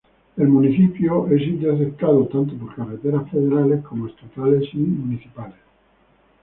El municipio es interceptado tanto por carreteras federales como estatales y municipales.